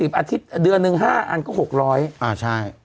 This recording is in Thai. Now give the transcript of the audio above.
๑๒๐บาทอาทิตย์เดือนหนึ่ง๕บาทอันก็๖๐๐บาท